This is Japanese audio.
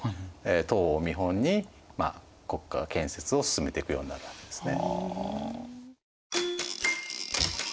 唐を見本に国家建設を進めていくようになるわけですね。